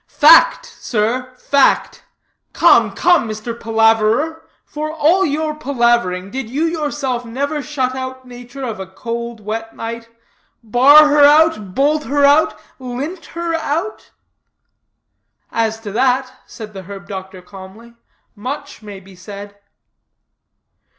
"Fact, sir, fact. Come, come, Mr. Palaverer, for all your palavering, did you yourself never shut out nature of a cold, wet night? Bar her out? Bolt her out? Lint her out?" "As to that," said the herb doctor calmly, "much may be said."